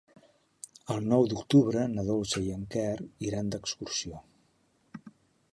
El nou d'octubre na Dolça i en Quer iran d'excursió.